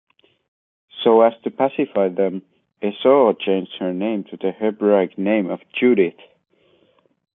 So as to pacify them, Esau changed her name to the Hebraic name "Judith".